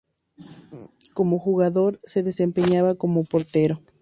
Como jugador se desempeñaba como portero.